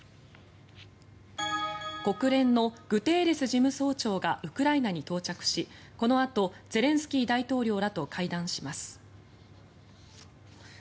国連のグテーレス事務総長がウクライナに到着しこのあとゼレンスキー大統領らと会談します。